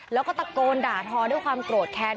แล้วก็ตะโกนด่าทอด้วยความโกรธแค้น